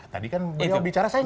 tadi kan bicara saya